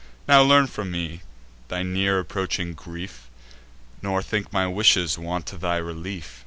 Now learn from me thy near approaching grief, Nor think my wishes want to thy relief.